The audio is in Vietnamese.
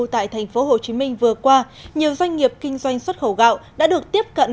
tại thành phố hồ chí minh vừa qua nhiều doanh nghiệp kinh doanh xuất khẩu gạo đã được tiếp cận